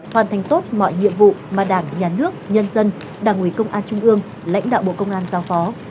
hoàn thành tốt mọi nhiệm vụ mà đảng nhà nước nhân dân đảng ủy công an trung ương lãnh đạo bộ công an giao phó